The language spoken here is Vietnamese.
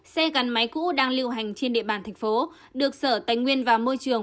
xe gắn máy cũ đang lưu hành trên địa bàn thành phố được sở tài nguyên và môi trường